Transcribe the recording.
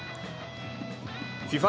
ＦＩＦＡ